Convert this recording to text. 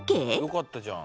⁉よかったじゃん。